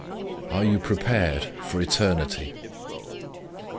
'" ARE YOU PREPARED FOR ETERNITY?